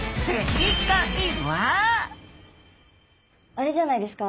あれじゃないですか。